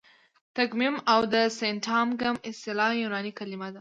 تګمیم او د سینټاګم اصطلاح یوناني کلیمې دي.